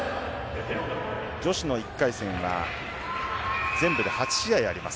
女子の１回戦は全部で８試合あります。